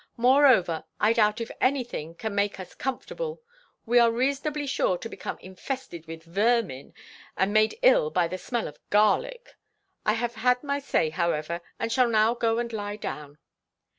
Moreover, I doubt if anything can make us comfortable; we are reasonably sure to become infested with vermin and be made ill by the smell of garlic. I have had my say, however, and shall now go and lie down."